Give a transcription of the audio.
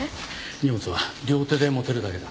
荷物は両手で持てるだけだ。